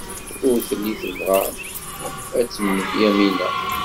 Ur telli tebɣa ad temmet Yamina.